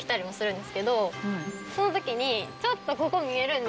その時に。